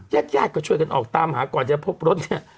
ญาติญาติก็ช่วยกันออกตามหาก่อนจะพบรถเนี่ย